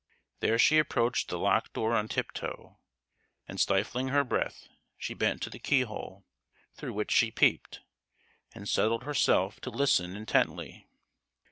There she approached the locked door on tiptoe; and stifling her breath, she bent to the keyhole, through which she peeped, and settled herself to listen intently.